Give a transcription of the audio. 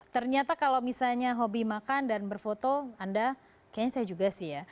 ternyata kalau misalnya hobi makan dan berfoto anda kayaknya saya juga sih ya